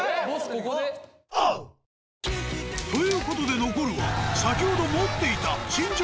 ［ということで残るは先ほど持っていた新庄監督